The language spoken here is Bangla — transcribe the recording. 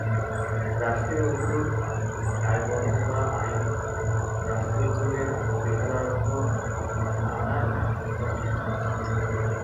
রাষ্ট্রীয় উদ্যোগ দায়বদ্ধতা আইন রাষ্ট্র উদ্যোগের পেশাদারত্ব আনয়নে সক্ষম হয়েছে।